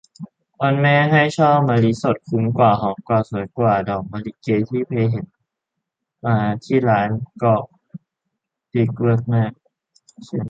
วันแม่ ให้ช่อมะลิสด คุ้มกว่า หอมกว่า สวยกว่า ดอกมะลิเก๊ ไปเห็นมาที่ร้านก็องดิด เวิร์กมาก